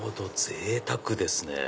ぜいたくですね。